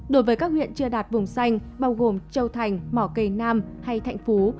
đối với các huyện chưa đạt vùng xanh bao gồm châu thành mỏ cầy nam hay thạnh phú